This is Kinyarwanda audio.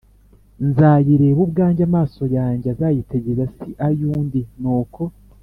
nzayireba ubwanjye, amaso yanjye azayitegereza si ay’undi nuko